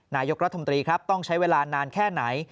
นายกรัฐธรรมตรีต้องใช้เวลานานแค่ไหน